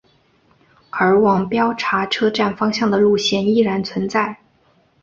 而往标茶车站方向的路线仍然存在。